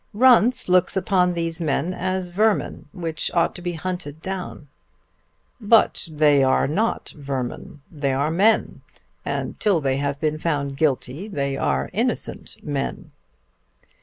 "Runce looks upon these men as vermin which ought to be hunted down." "But they are not vermin. They are men; and till they have been found guilty they are innocent men."